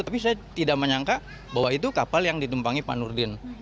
tapi saya tidak menyangka bahwa itu kapal yang ditumpangi pak nurdin